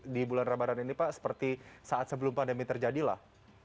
di bulan ramadan ini pak seperti saat sebelum pandemi terjadilah